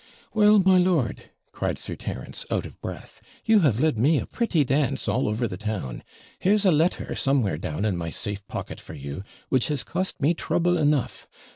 'Well, my lord,' cried Sir Terence, out of breath, 'you have led me a pretty dance all over the town; here's a letter somewhere down in my safe pocket for you, which has cost me trouble enough.